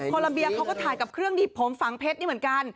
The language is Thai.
ลัมเบียเขาก็ถ่ายกับเครื่องที่ผมฝังเพชรนี่เหมือนกัน